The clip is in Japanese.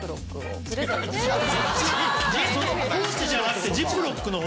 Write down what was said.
ポーチじゃなくてジップロックの方？